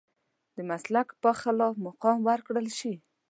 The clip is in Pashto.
د مسلک په خلاف مقام ورکړل شي.